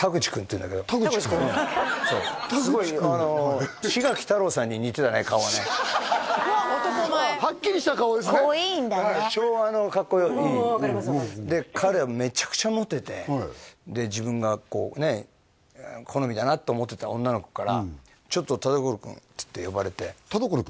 うんそうすごい志垣太郎さんに似てたね顔はね男前はっきりした顔ですね昭和のかっこいいで彼はめちゃくちゃモテてで自分がこうね好みだなと思ってた女の子から「ちょっと田所君」っつって呼ばれて田所君？